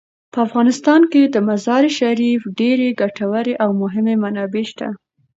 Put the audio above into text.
په افغانستان کې د مزارشریف ډیرې ګټورې او مهمې منابع شته.